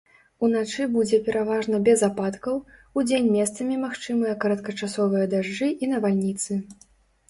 Уначы будзе пераважна без ападкаў, удзень месцамі магчымыя кароткачасовыя дажджы і навальніцы.